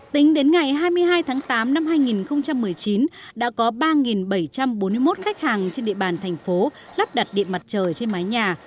tính đến ngày hai mươi hai tháng tám năm hai nghìn một mươi chín đã có ba bảy trăm bốn mươi một khách hàng trên địa bàn thành phố lắp đặt điện mặt trời trên mái nhà